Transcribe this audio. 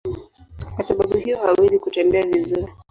Kwa sababu hiyo hawawezi kutembea vizuri.